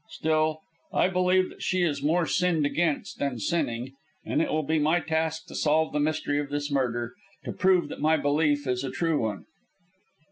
Still, I believe that she is more sinned against than sinning; and it will be my task to solve the mystery of this murder to prove that my belief is a true one."